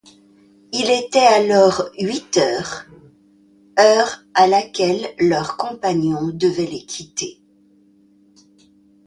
Il était alors huit heures, — heure à laquelle leur compagnon devait les quitter